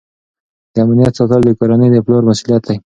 د امنیت ساتل د کورنۍ د پلار مسؤلیت دی.